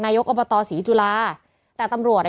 นายกอบตศรีจุฬาแต่ตำรวจ